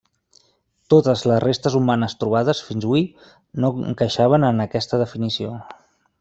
Totes les restes humanes trobades fins hui no encaixaven en aquesta definició.